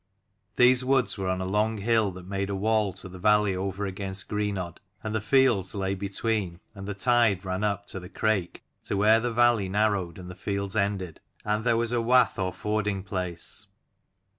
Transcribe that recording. These woods were on a long hill that made a wall to the valley over against Greenodd : and the fields lay between, and the tide ran up the Crake to where the valley narrowed and the fields ended, and there was a wath or fording place.